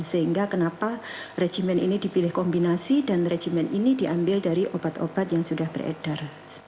sehingga kenapa rejimen ini dipilih kombinasi dan rejimen ini diambil dari obat obat yang sudah beredar